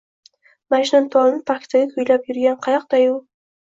«Majnuntol»ni parkda kuylab yurgan qayoqdayu